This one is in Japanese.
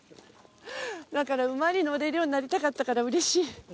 だから馬に乗れるようになりたかったからうれしい。